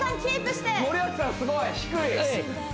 すごい低い！